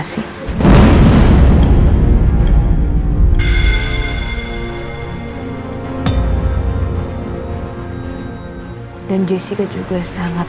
tapi juga gak bilang kalau jessica itu juga mantan temangannya rindy